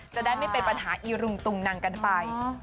จะได้ไม่เป็นปัญหาอีรุงตุงนังกันไป